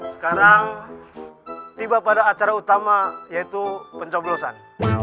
sekarang tiba pada acara utama yaitu pencoblosan